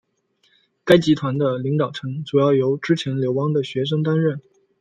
该集团的领导层主要由之前流亡的学生担任。